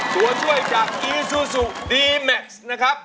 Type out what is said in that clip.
ตัวช่วยจากอีซูซูดีแม็กซ์นะครับ